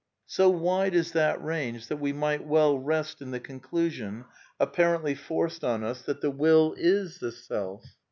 So wide is that range that we might well rest in the oo^^ elusion apparently forced on us that the will is the Self.